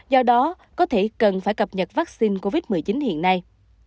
do đó có thể cần phải cập nhật vaccine covid một mươi chín hiện nay